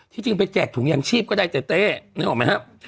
จริงไปแจกถุงยางชีพก็ได้แต่เต้นึกออกไหมครับ